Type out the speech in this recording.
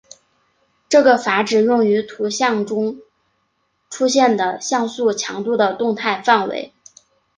这个阈值用于图像中出现的像素强度的动态范围。